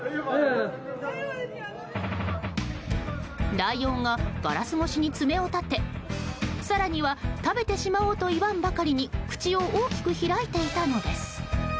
ライオンがガラス越しに爪を立て更には食べてしまおうといわんばかりに口を大きく開いていたのです。